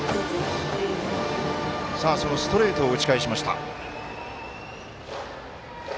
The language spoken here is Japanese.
ストレートを打ち返しました。